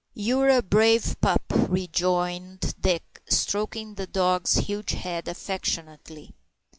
"You're a brave pup," rejoined Dick, stroking the dog's huge head affectionately.